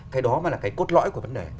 cái đó mới là cái cốt lõi của vấn đề